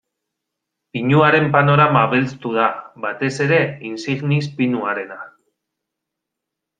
Pinuaren panorama belztu da, batez ere insignis pinuarena.